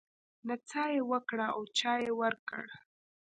نڅا يې وکړه او چای يې ورکړ.